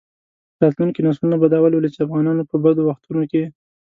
راتلونکي نسلونه به دا ولولي چې افغانانو په بدو وختونو کې.